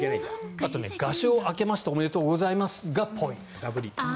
あと、賀正明けましておめでとうございますがポイント。